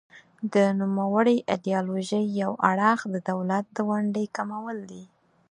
د نوموړې ایډیالوژۍ یو اړخ د دولت د ونډې کمول دي.